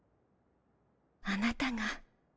あなたが。